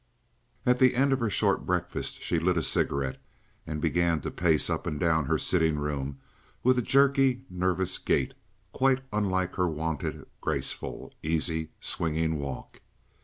At the end of her short breakfast she lit a cigarette, and began to pace up and down her sitting room with a jerky, nervous gait, quite unlike her wonted graceful, easy, swinging walk.